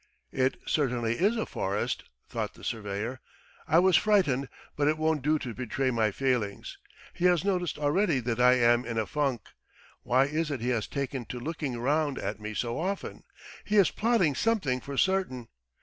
"It certainly is a forest," thought the surveyor. "I was frightened! But it won't do to betray my feelings. ... He has noticed already that I am in a funk. Why is it he has taken to looking round at me so often? He is plotting something for certain.